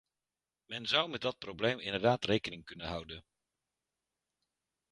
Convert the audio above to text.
Men zou met dat probleem inderdaad rekening kunnen houden.